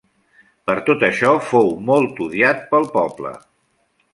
Per tot això fou molt odiat pel poble.